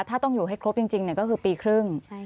ถ้าต้องอยู่ให้ครบจริงก็คือปีครึ่ง